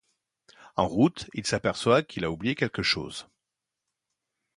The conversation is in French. En route, il s'aperçoit qu'il a oublié quelque chose.